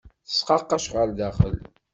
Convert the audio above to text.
Tesqaqec ɣer daxel.